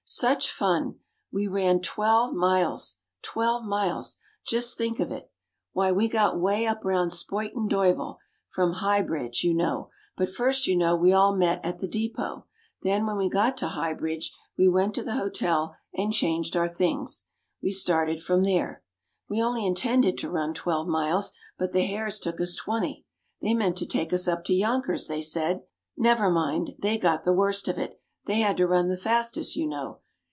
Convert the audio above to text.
"Such fun! We ran twelve miles twelve miles! Just think of it! Why, we got way up round Spuyten Duyvel from High Bridge, you know; but first, you know, we all met at the depôt; then when we got to High Bridge we went to the hotel and changed our things. We started from there. We only intended to run twelve miles, but the hares took us twenty; they meant to take us up to Yonkers, they said. Never mind; they got the worst of it they had to run the fastest, you know.